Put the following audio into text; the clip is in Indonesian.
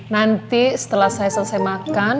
nanti setelah saya selesai makan